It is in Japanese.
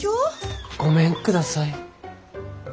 ごめんください。